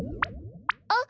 あっ。